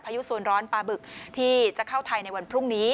ยุสวนร้อนปลาบึกที่จะเข้าไทยในวันพรุ่งนี้